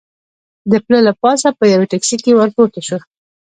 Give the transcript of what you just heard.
د پله له پاسه به یوې ټکسي ته ور پورته شو.